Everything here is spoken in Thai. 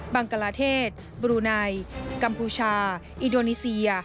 บังกลาเทศบรุนัยกัมพูชาอิดวานิเซีย